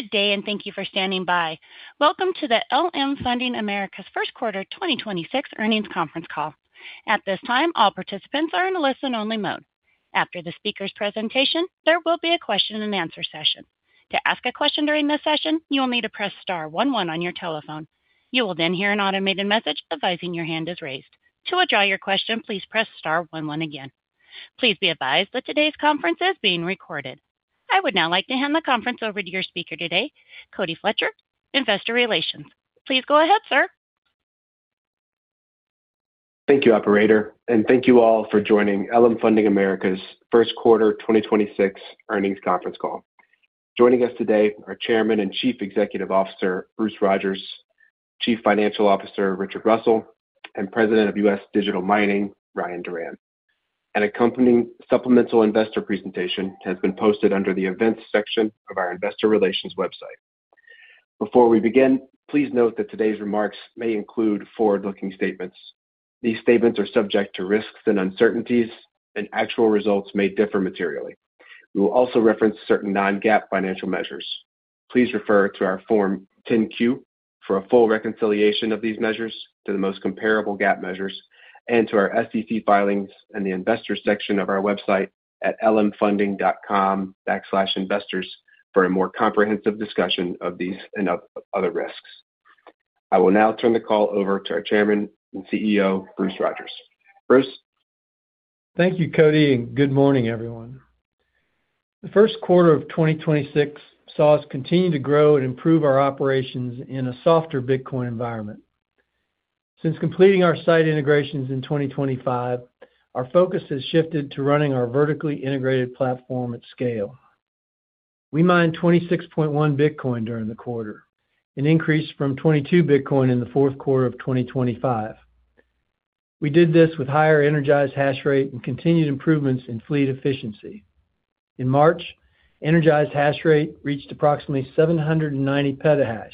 Good day. Thank you for standing by. Welcome to the LM Funding America's first quarter 2026 earnings conference call. At this time, all participants are in a listen-only mode. After the speaker's presentation, there will be a question-and-answer session. To ask a question during this session, you will need to press star one one on your telephone. You will hear an automated message advising your hand is raised. To withdraw your question, please press star one one again. Please be advised that today's conference is being recorded. I would now like to hand the conference over to your speaker today, Cody Fletcher, Investor Relations. Please go ahead, sir. Thank you, operator, and thank you all for joining LM Funding America's first quarter 2026 earnings conference call. Joining us today are Chairman and Chief Executive Officer, Bruce Rodgers, Chief Financial Officer, Richard Russell, and President of U.S. Digital Mining, Ryan Duran. An accompanying supplemental investor presentation has been posted under the Events section of our investor relations website. Before we begin, please note that today's remarks may include forward-looking statements. These statements are subject to risks and uncertainties, and actual results may differ materially. We will also reference certain non-GAAP financial measures. Please refer to our Form 10-Q for a full reconciliation of these measures to the most comparable GAAP measures and to our SEC filings in the investor section of our website at lmfunding.com/investors for a more comprehensive discussion of these and other risks. I will now turn the call over to our Chairman and CEO, Bruce Rodgers. Bruce? Thank you, Cody, and good morning, everyone. The first quarter of 2026 saw us continue to grow and improve our operations in a softer Bitcoin environment. Since completing our site integrations in 2025, our focus has shifted to running our vertically integrated platform at scale. We mined 26.1 Bitcoin during the quarter, an increase from 22 Bitcoin in the fourth quarter of 2025. We did this with higher energized hash rate and continued improvements in fleet efficiency. In March, energized hash rate reached approximately 790 petahash,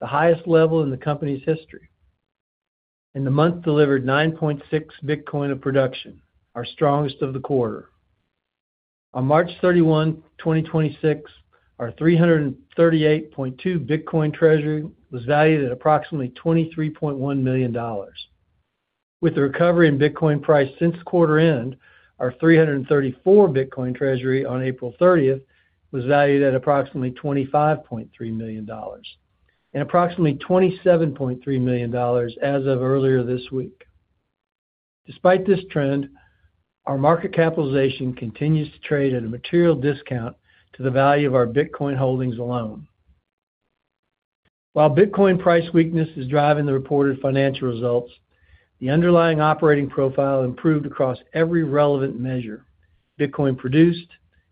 the highest level in the company's history, and the month delivered 9.6 Bitcoin of production, our strongest of the quarter. On March 31, 2026, our 338.2 Bitcoin treasury was valued at approximately $23.1 million. With the recovery in Bitcoin price since quarter end, our 334 Bitcoin treasury on April 30th was valued at approximately $25.3 million and approximately $27.3 million as of earlier this week. Despite this trend, our market capitalization continues to trade at a material discount to the value of our Bitcoin holdings alone. While Bitcoin price weakness is driving the reported financial results, the underlying operating profile improved across every relevant measure. Bitcoin produced,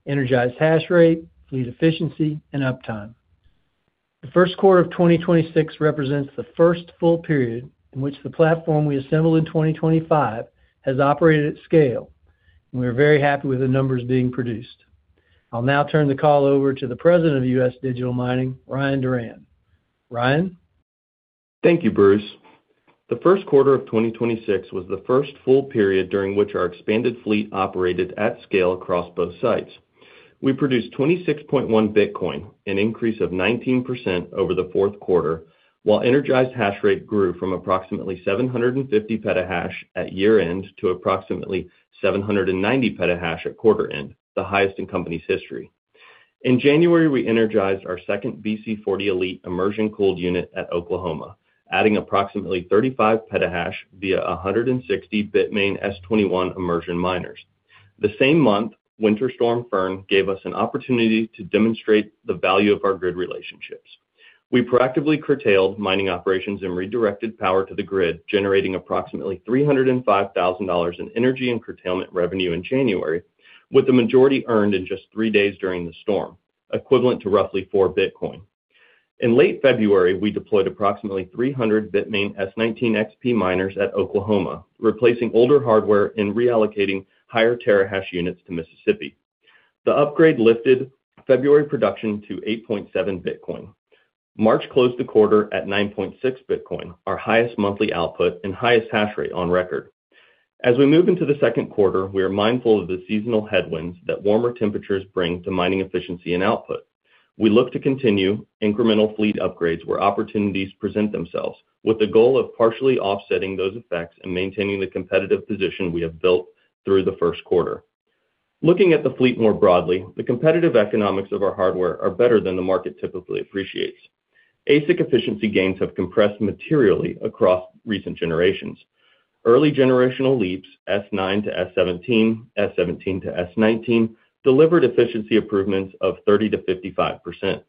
energized hash rate, fleet efficiency, and uptime. The first quarter of 2026 represents the first full period in which the platform we assembled in 2025 has operated at scale, and we are very happy with the numbers being produced. I'll now turn the call over to the President of U.S. Digital Mining, Ryan Duran. Ryan. Thank you, Bruce. The first quarter of 2026 was the first full period during which our expanded fleet operated at scale across both sites. We produced 26.1 Bitcoin, an increase of 19% over the fourth quarter, while energized hash rate grew from approximately 750 petahash at year-end to approximately 790 petahash at quarter end, the highest in company's history. In January, we energized our second BC40 Elite immersion-cooled unit at Oklahoma, adding approximately 35 petahash via 160 Bitmain S21 Immersion miners. The same month, Winter Storm Fern gave us an opportunity to demonstrate the value of our grid relationships. We proactively curtailed mining operations and redirected power to the grid, generating approximately $305,000 in energy and curtailment revenue in January, with the majority earned in just three days during the storm, equivalent to roughly 4 Bitcoin. In late February, we deployed approximately 300 Bitmain S19 XP miners at Oklahoma, replacing older hardware and reallocating higher terahash units to Mississippi. The upgrade lifted February production to 8.7 Bitcoin. March closed the quarter at 9.6 Bitcoin, our highest monthly output and highest hash rate on record. As we move into the second quarter, we are mindful of the seasonal headwinds that warmer temperatures bring to mining efficiency and output. We look to continue incremental fleet upgrades where opportunities present themselves, with the goal of partially offsetting those effects and maintaining the competitive position we have built through the first quarter. Looking at the fleet more broadly, the competitive economics of our hardware are better than the market typically appreciates. ASIC efficiency gains have compressed materially across recent generations. Early generational leaps, S9 -S17, S17-S19, delivered efficiency improvements of 30%-55%.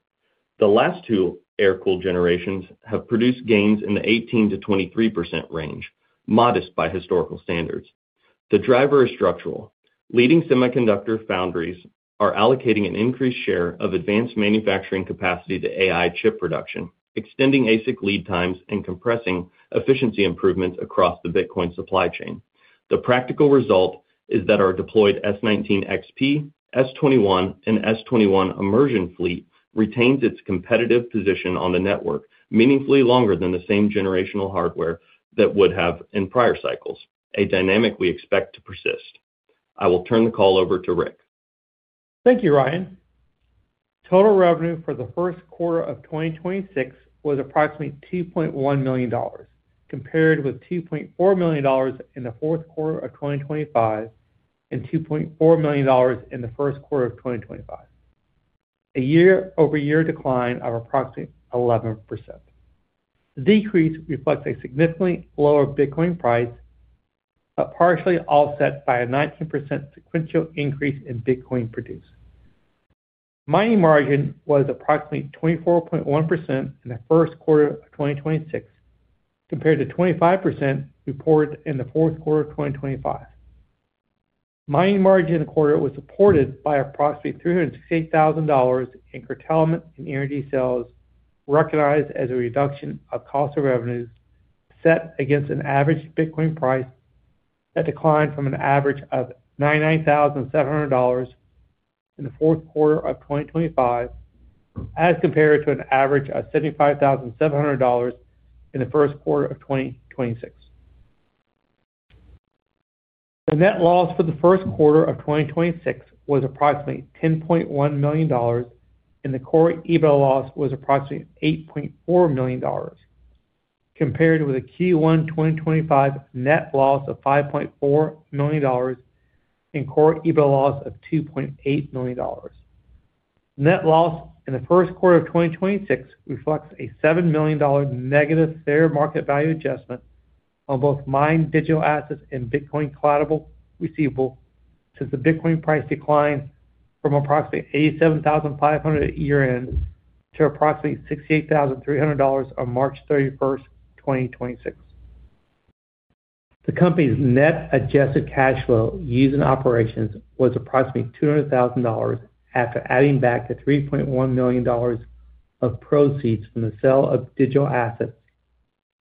The last two air-cooled generations have produced gains in the 18%-23% range, modest by historical standards. The driver is structural. Leading semiconductor foundries are allocating an increased share of advanced manufacturing capacity to AI chip production, extending ASIC lead times and compressing efficiency improvements across the Bitcoin supply chain. The practical result is that our deployed S19 XP, S21, and S21 immersion fleet retains its competitive position on the network meaningfully longer than the same generational hardware that would have in prior cycles, a dynamic we expect to persist. I will turn the call over to Rick. Thank you, Ryan. Total revenue for the first quarter of 2026 was approximately $2.1 million, compared with $2.4 million in the fourth quarter of 2025 and $2.4 million in the first quarter of 2025, a year-over-year decline of approximately 11%. The decrease reflects a significantly lower Bitcoin price, partially offset by a 19% sequential increase in Bitcoin produced. Mining margin was approximately 24.1% in the first quarter of 2026, compared to 25% reported in the fourth quarter of 2025. Mining margin in the quarter was supported by approximately $368,000 in curtailment and energy sales, recognized as a reduction of cost of revenues set against an average Bitcoin price that declined from an average of $99,700 in the fourth quarter of 2025, as compared to an average of $75,700 in the first quarter of 2026. The net loss for the first quarter of 2026 was approximately $10.1 million, and the core EBITDA loss was approximately $8.4 million, compared with a Q1 2025 net loss of $5.4 million and core EBITDA loss of $2.8 million. Net loss in the first quarter of 2026 reflects a $7 million negative fair market value adjustment on both mined digital assets and Bitcoin collateral receivable, since the Bitcoin price declined from approximately $87,500 at year-end to approximately $68,300 on March 31st, 2026. The company's net adjusted cash flow used in operations was approximately $200,000 after adding back the $3.1 million of proceeds from the sale of digital assets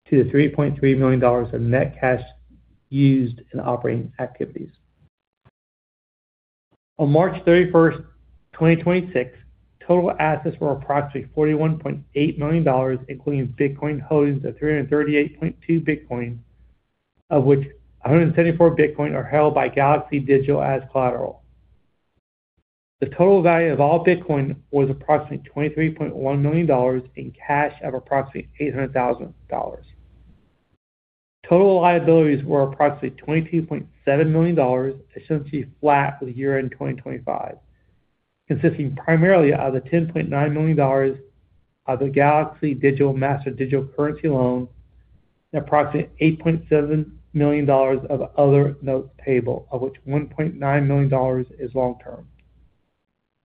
to the $3.3 million of net cash used in operating activities. On March 31st, 2026, total assets were approximately $41.8 million, including Bitcoin holdings of 338.2 Bitcoin, of which 174 Bitcoin are held by Galaxy Digital as collateral. The total value of all Bitcoin was approximately $23.1 million in cash of approximately $800,000. Total liabilities were approximately $22.7 million, essentially flat with year-end 2025, consisting primarily of the $10.9 million of the Galaxy Digital master digital currency loan and approximately $8.7 million of other notes payable, of which $1.9 million is long term.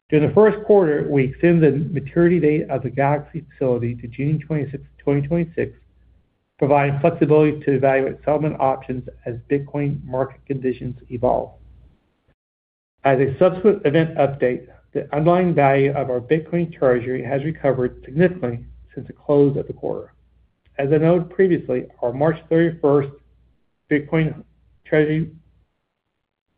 During the first quarter, we extended the maturity date of the Galaxy facility to June 26, 2026, providing flexibility to evaluate settlement options as Bitcoin market conditions evolve. As a subsequent event update, the underlying value of our Bitcoin treasury has recovered significantly since the close of the quarter. As I noted previously, our March 31st Bitcoin treasury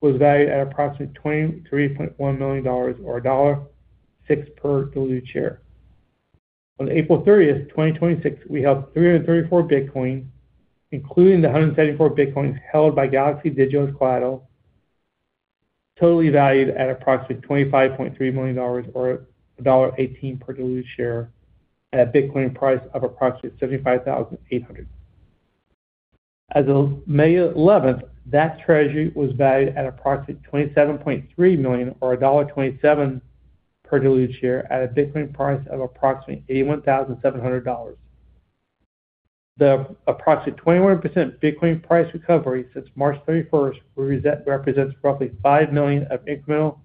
was valued at approximately $23.1 million or $1.06 per diluted share. On April 30th, 2026, we held 334 Bitcoin, including the 174 Bitcoins held by Galaxy Digital as collateral, totally valued at approximately $25.3 million or $1.18 per diluted share at a Bitcoin price of approximately $75,800. As of May 11th, that treasury was valued at approximately $27.3 million or $1.27 per diluted share at a Bitcoin price of approximately $81,700. The approximately 21% Bitcoin price recovery since March 31st represents roughly $5 million of incremental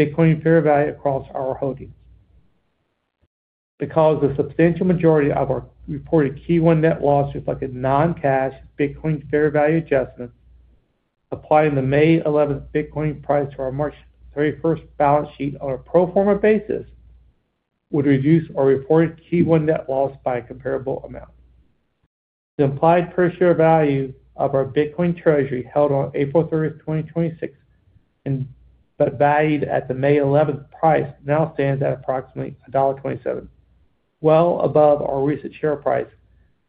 Bitcoin fair value across our holdings. The substantial majority of our reported Q1 net loss reflect a non-cash Bitcoin fair value adjustment, applying the May 11th Bitcoin price to our March 31st balance sheet on a pro forma basis would reduce our reported Q1 net loss by a comparable amount. The implied per share value of our Bitcoin treasury held on April 30, 2026, valued at the May 11 price, now stands at approximately $1.27, well above our recent share price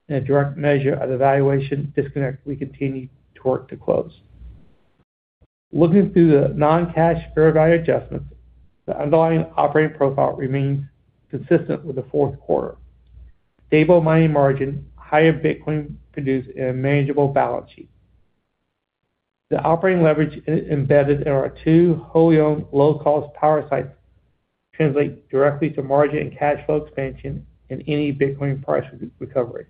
in a direct measure of the valuation disconnect we continue to work to close. Looking through the non-cash fair value adjustments, the underlying operating profile remains consistent with the fourth quarter. Stable mining margin, higher Bitcoin produced, and a manageable balance sheet. The operating leverage embedded in our two wholly owned low-cost power sites translate directly to margin and cash flow expansion in any Bitcoin price recovery.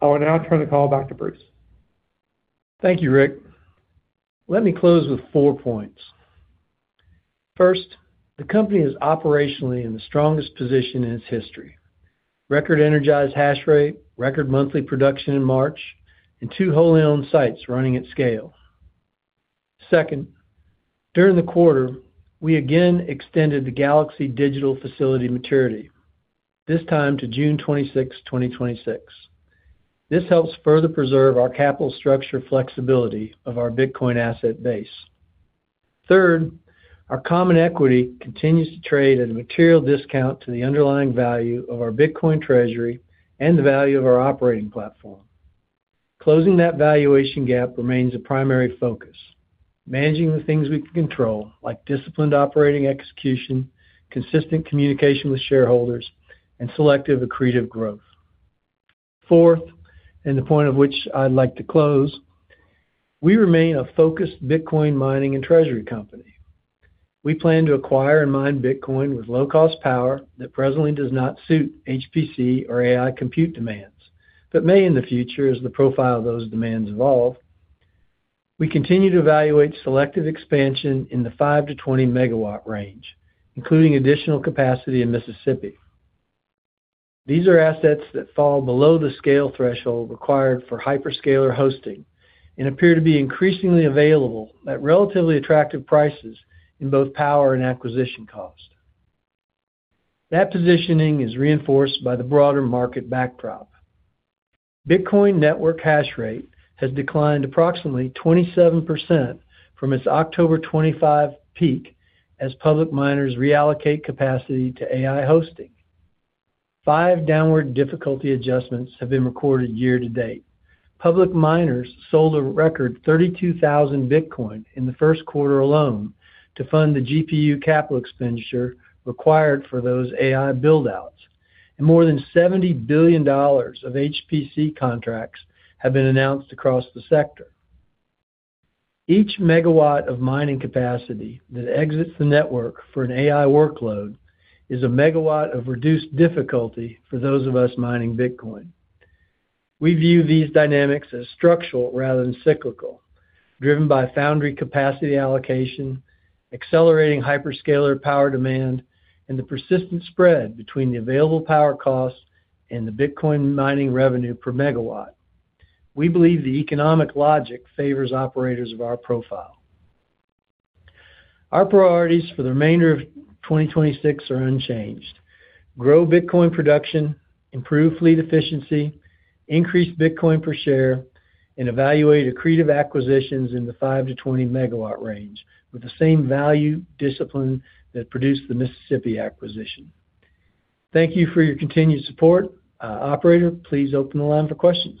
I will now turn the call back to Bruce. Thank you, Rick. Let me close with four points. First, the company is operationally in the strongest position in its history. Record energized hash rate, record monthly production in March, and two wholly owned sites running at scale. Second, during the quarter, we again extended the Galaxy Digital facility maturity, this time to June 26, 2026. This helps further preserve our capital structure flexibility of our Bitcoin asset base. Third, our common equity continues to trade at a material discount to the underlying value of our Bitcoin treasury and the value of our operating platform. Closing that valuation gap remains a primary focus. Managing the things we can control, like disciplined operating execution, consistent communication with shareholders, and selective accretive growth. Fourth, the point of which I'd like to close, we remain a focused Bitcoin mining and treasury company. We plan to acquire and mine Bitcoin with low cost power that presently does not suit HPC or AI compute demands, but may in the future as the profile of those demands evolve. We continue to evaluate selective expansion in the 5 MW-20 MW range, including additional capacity in Mississippi. These are assets that fall below the scale threshold required for hyperscaler hosting and appear to be increasingly available at relatively attractive prices in both power and acquisition cost. That positioning is reinforced by the broader market backdrop. Bitcoin network hash rate has declined approximately 27% from its October 25 peak as public miners reallocate capacity to AI hosting. Five downward difficulty adjustments have been recorded year to date. Public miners sold a record 32,000 Bitcoin in the first quarter alone to fund the GPU capital expenditure required for those AI build-outs. More than $70 billion of HPC contracts have been announced across the sector. Each megawatt of mining capacity that exits the network for an AI workload is a megawatt of reduced difficulty for those of us mining Bitcoin. We view these dynamics as structural rather than cyclical, driven by foundry capacity allocation, accelerating hyperscaler power demand, and the persistent spread between the available power cost and the Bitcoin mining revenue per megawatt. We believe the economic logic favors operators of our profile. Our priorities for the remainder of 2026 are unchanged. Grow Bitcoin production, improve fleet efficiency, increase Bitcoin per share, and evaluate accretive acquisitions in the 5 MW-20 MW range with the same value discipline that produced the Mississippi acquisition. Thank you for your continued support. Operator, please open the line for questions.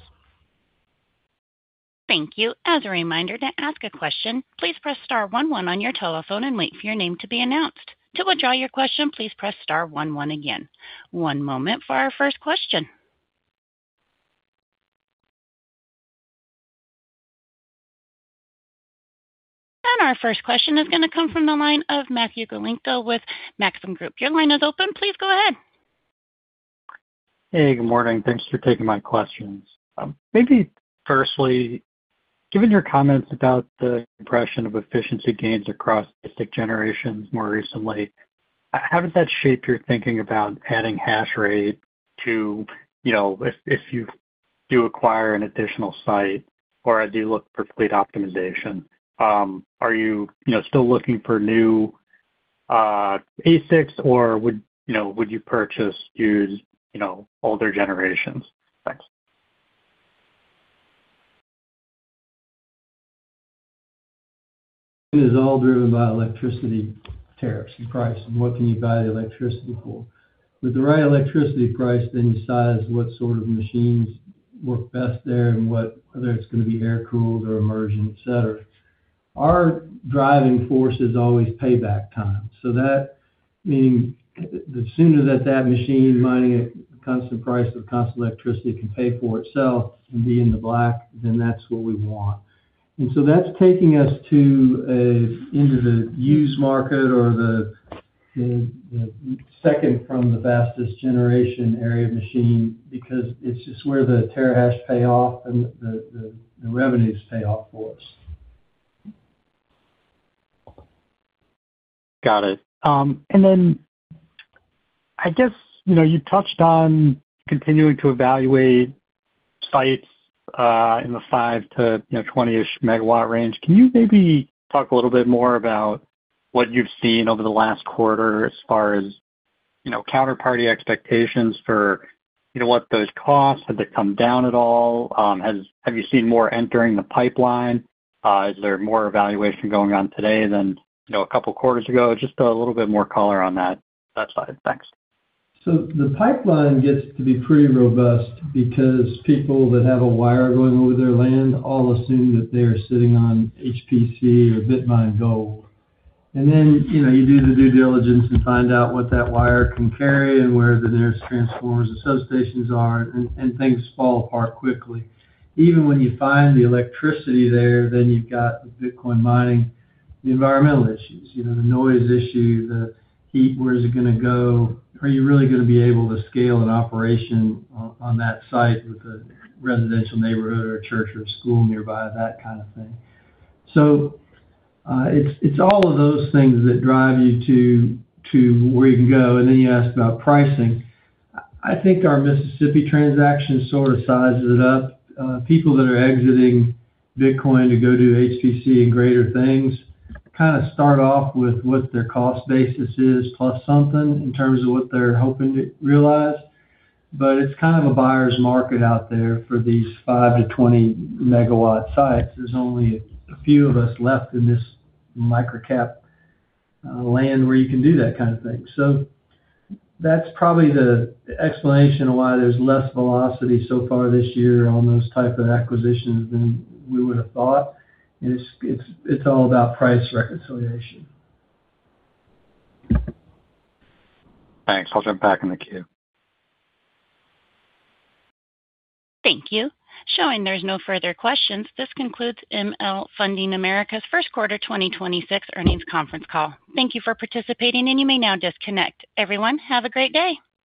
Thank you. As a reminder, to ask a question, please press star one one on your telephone and wait for your name to be announced. To withdraw your question, please press star one one again. One moment for our first question. Our first question is going to come from the line of Matthew Galinko with Maxim Group. Your line is open. Please go ahead. Hey, good morning. Thanks for taking my questions. Maybe firstly, given your comments about the impression of efficiency gains across ASIC generations more recently, how does that shape your thinking about adding hash rate to, you know, if you do acquire an additional site or as you look for fleet optimization, are you know, still looking for new ASICs, or would, you know, would you purchase used, you know, older generations? Thanks. It is all driven by electricity tariffs and price and what can you buy the electricity for. With the right electricity price, you size what sort of machines work best there and whether it's gonna be air-cooled or immersion, etc. Our driving force is always payback time. That meaning the sooner that that machine mining at a constant price of constant electricity can pay for itself and be in the black, that's what we want. That's taking us into the used market or the second from the fastest generation area machine because it's just where the terahash pay off and the revenues pay off for us. Got it. I guess, you know, you touched on continuing to evaluate sites, in the 5 MW to, you know, 20-ish MW range. Can you maybe talk a little bit more about what you've seen over the last quarter as far as, you know, counterparty expectations for, you know, what those costs, have they come down at all? Have you seen more entering the pipeline? Is there more evaluation going on today than, you know, a couple quarters ago? Just a little bit more color on that side. Thanks. The pipeline gets to be pretty robust because people that have a wire going over their land all assume that they are sitting on HPC or Bitcoin gold. You know, you do the due diligence and find out what that wire can carry and where the nearest transformers and substations are, and things fall apart quickly. Even when you find the electricity there, then you've got the Bitcoin mining, the environmental issues, you know, the noise issue, the heat, where is it gonna go? Are you really gonna be able to scale an operation on that site with a residential neighborhood or a church or school nearby, that kind of thing. It's, it's all of those things that drive you to where you can go. You asked about pricing. I think our Mississippi transaction sort of sizes it up. People that are exiting Bitcoin to go do HPC and greater things kind of start off with what their cost basis is plus something in terms of what they're hoping to realize. It's kind of a buyer's market out there for these 5MW-20 MW sites. There's only a few of us left in this microcap land where you can do that kind of thing. That's probably the explanation why there's less velocity so far this year on those type of acquisitions than we would have thought. It's all about price reconciliation. Thanks. I'll jump back in the queue. Thank you. Showing there's no further questions, this concludes LM Funding America's first quarter 2026 earnings conference call. Thank you for participating, and you may now disconnect. Everyone, have a great day.